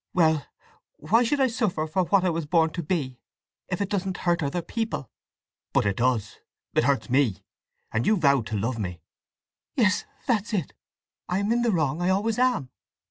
Well—why should I suffer for what I was born to be, if it doesn't hurt other people?" "But it does—it hurts me! And you vowed to love me." "Yes—that's it! I am in the wrong. I always am!